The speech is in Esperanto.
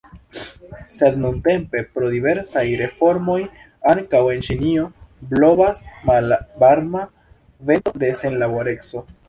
Sed nuntempe pro diversaj reformoj ankaŭ en Ĉinio blovas malvarma vento de senlaboreco.